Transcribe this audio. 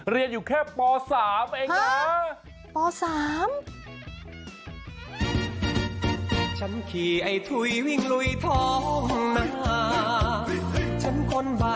เรียนอยู่แค่ป๓เองนะ